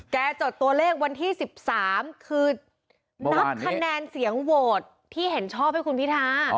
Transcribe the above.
จดตัวเลขวันที่๑๓คือนับคะแนนเสียงโหวตที่เห็นชอบให้คุณพิทา